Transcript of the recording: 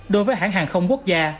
đối với hãng hàng không quốc gia